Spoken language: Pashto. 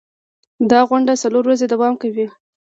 دا غونډه څلور ورځې دوام کوي.